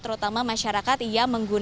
terutama masyarakat yang berpengalaman